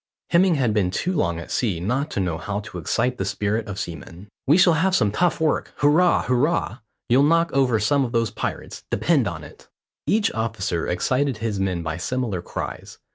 Hemming had been too long at sea not to know how to excite the spirit of seamen. "We shall have some tough work, hurrah! hurrah! You'll knock over some of those pirates, depend on it." Each officer excited his men by similar cries.